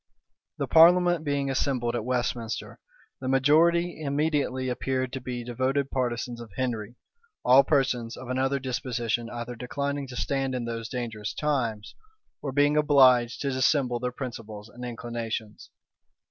The parliament being assembled at Westminster, the majority immediately appeared to be devoted partisans of Henry; all persons of another disposition either declining to stand in those dangerous times, or being obliged to dissemble their principles and inclinations.